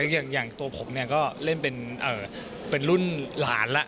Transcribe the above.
อย่างตัวผมเนี่ยก็เล่นเป็นรุ่นหลานแล้ว